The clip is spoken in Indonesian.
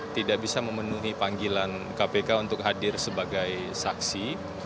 tidak bisa memenuhi panggilan kpk untuk hadir sebagai saksi